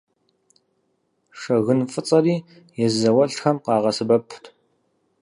Шэгын фӏыцӏэри езы зауэлӏхэм къагъэсэбэпт.